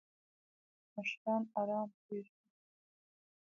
مشران آرام پریږده!